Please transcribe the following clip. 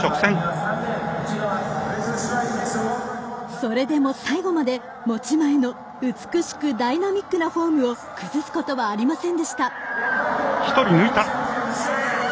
それでも最後まで持ち前の美しくダイナミックなフォームを崩すことはありませんでした。